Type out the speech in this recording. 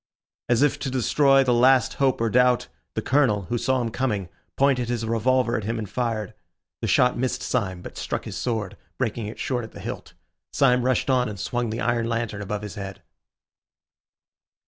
As if to destroy the last hope or doubt, the Colonel, who saw him coming, pointed his revolver at him and fired. The shot missed Syme, but struck his sword, breaking it short at the hilt. Syme rushed on, and swung the iron lantern above his head.